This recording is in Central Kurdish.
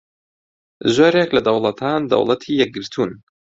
زۆرێک لە دەوڵەتان دەوڵەتی یەکگرتوون